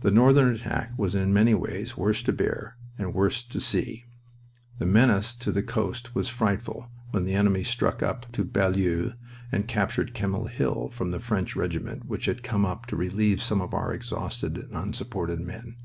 The northern attack was in many ways worse to bear and worse to see. The menace to the coast was frightful when the enemy struck up to Bailleul and captured Kemmel Hill from a French regiment which had come up to relieve some of our exhausted and unsupported men.